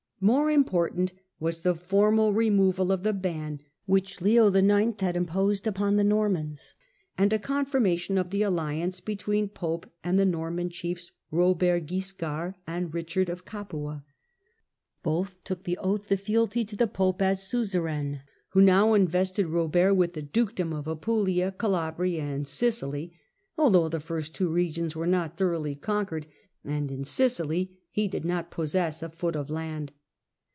More important was the formal removal of the ban which Leo IX. had imposed upon the Normans, and a confirmation of the alliance between the pope and the Norman chiefs Bobert Wiscard and Bichtud of Capua. Both took the oath of fealty to the pope as suzerain, who now invested Bobert with the duke dom of Apulia, Calabria, and Sicily, although the first two regions were not thoroughly conquered, and in Sicily he did not possess a foot of land.